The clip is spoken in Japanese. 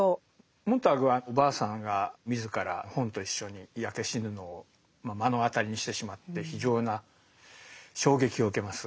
モンターグはおばあさんが自ら本と一緒に焼け死ぬのを目の当たりにしてしまって非常な衝撃を受けます。